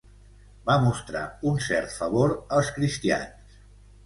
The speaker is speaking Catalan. Va mostrar un cert favor als cristians.